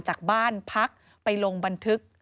จากบ้านพักไปลงบันทึก